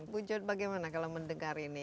bu jod bagaimana kalau mendengar ini